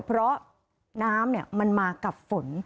เพราะน้ำมันมากับฝน